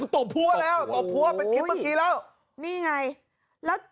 ตบพัวแล้วตบพัวเป็นคลิปเมื่อกี้แล้วนี่ไงแล้ว